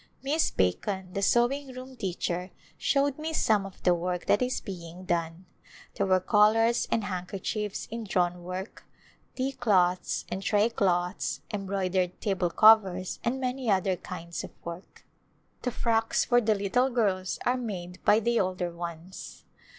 Miss Bacon, the sewing room teacher, showed me some of the work that is being done. There were collars and handkerchiefs in drawn work, tea cloths and tray cloths, embroidered table covers and many other kinds of work. The frocks for the little girls are made by the older ones.